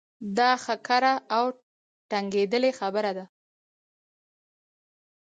دا ښه کره او ټنګېدلې خبره ده.